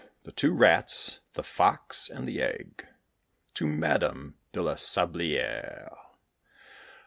THE TWO RATS, THE FOX, AND THE EGG. TO MADAME DE LA SABLIÈRE.